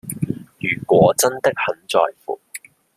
如果真的很在乎